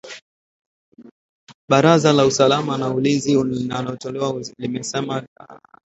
Baraza la usalama na ulinzi linalotawala limesema uamuzi huo ulitolewa katika mkutano ulioongozwa na kiongozi wa kijeshi